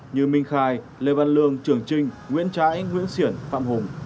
như minh khai lê văn lương trường trinh nguyễn trãi nguyễn xiển phạm hùng